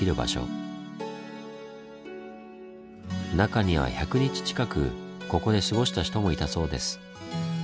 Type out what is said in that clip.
中には１００日近くここで過ごした人もいたそうです。